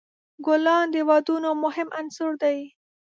ګلان د ودونو مهم عنصر دی.